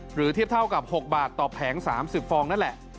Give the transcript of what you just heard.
เทียบเท่ากับ๖บาทต่อแผง๓๐ฟองนั่นแหละ